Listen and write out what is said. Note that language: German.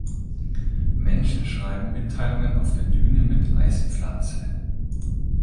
Menschen schreiben Mitteilungen auf der Düne mit Eispflanze.